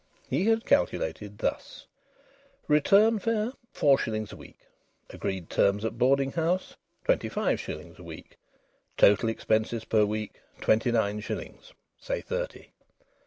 He had calculated thus: Return fare, four shillings a week. Agreed terms at boarding house, twenty five shillings a week. Total expenses per week, twenty nine shillings, say thirty!